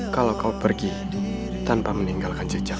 kalau kau pergi tanpa meninggalkan jejak